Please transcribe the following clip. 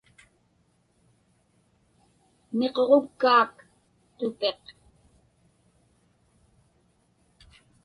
Miquġukkaak tupiq.